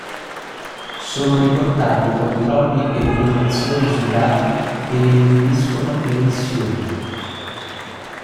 Sono riportati i controlli e le condizioni sui dati che ne inibiscono l'emissione.